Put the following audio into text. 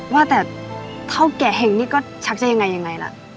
ว่าแต่เท่าแก่แห่งนี้ก็ชักจะยังไงยังไงล่ะ